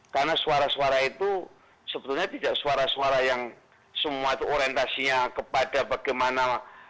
karena suara suara itu sebetulnya tidak suara suara yang semua itu orientasinya kepada bagaimana